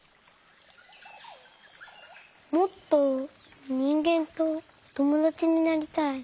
もっとにんげんとともだちになりたい。